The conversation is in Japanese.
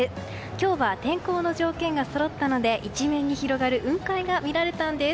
今日は天候の条件がそろったので一面に広がる雲海が見られたんです。